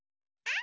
あ！